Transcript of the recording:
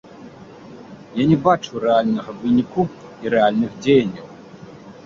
Я не бачу рэальнага выніку і рэальных дзеянняў.